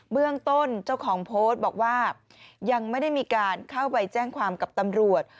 เบื้องต้นเจ้าของโพสต์บอกว่ายังไม่ได้มีการเข้าไปแจ้งความกับตำรวจ